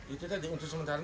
itu tadi untuk sementara